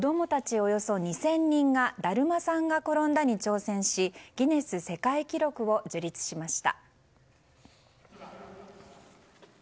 およそ２０００人がだるまさんが転んだに挑戦しギネス世界記録を樹立しました。